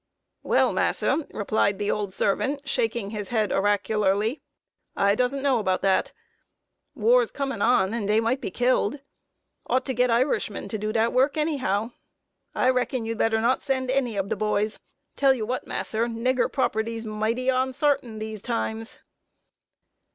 "Well, massa," replied the old servant, shaking his head oracularly, "I doesn't know about dat. War's comin' on, and dey might be killed. Ought to get Irishmen to do dat work, anyhow. I reckon you'd better not send any ob de boys tell you what, massa, nigger property's mighty onsartin dese times!"